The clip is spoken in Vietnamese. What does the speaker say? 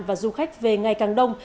và du khách về ngày càng đông